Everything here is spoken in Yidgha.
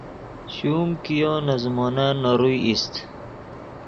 شوم کیو نے زیمونن نے روئے ایست